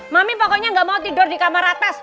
mami pokoknya nggak mau tidur di kamar atas